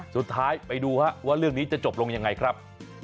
สุดท้ายไปดูว่าเรื่องนี้จะจบลงยังไงครับ